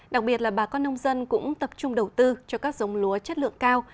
đặc biệt là bà con nông dân cũng tập trung đầu tư cho các giống lúa chất lượng cao